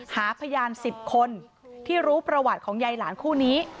หาพยาน๑๐คนที่รู้ประวัติของยายหลานคู่นี้